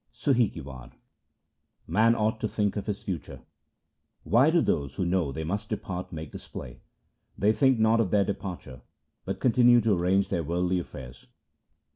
Sum ki War Man ought to think of his future :— Why do those who know they must depart make display ? They think not of their departure, but continue to arrange their worldly affairs.